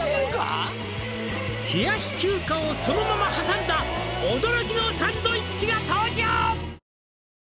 「冷やし中華をそのままはさんだ驚きのサンドイッチが登場」